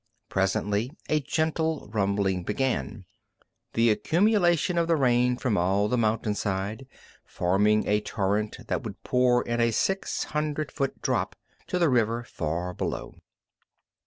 Presently a gentle rumbling began the accumulation of the rain from all the mountainside forming a torrent that would pour in a six hundred foot drop to the river far below.